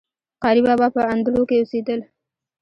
قاري بابا په اندړو کي اوسيدل